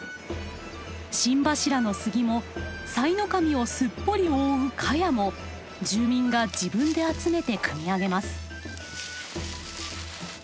しんばしらの杉もさいの神をすっぽり覆う茅も住民が自分で集めて組み上げます。